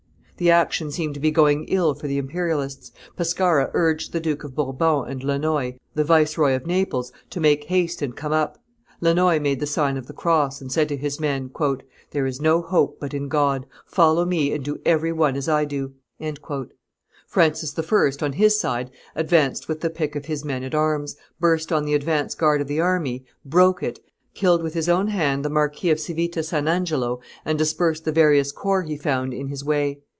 The action seemed to be going ill for the Imperialists; Pescara urged the Duke of Bourbon and Lannoy, the Viceroy of Naples, to make haste and come up; Lannoy made the sign of the cross, and said to his men, "There is no hope but in God; follow me and do every one as I do." Francis I., on his side, advanced with the pick of his men at arms, burst on the advance guard of the enemy, broke it, killed with his own hand the Marquis of Civita San Angelo, and dispersed the various corps he found in his way.